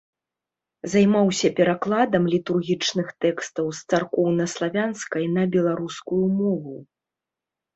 Займаўся перакладам літургічных тэкстаў з царкоўнаславянскай на беларускую мову.